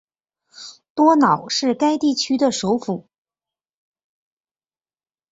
多瑙是该地区的首府。